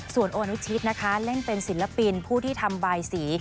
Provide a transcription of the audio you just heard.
ส่วนอนุชิตนะคะเล่นเป็นศิลปินผู้ที่ทำบายสี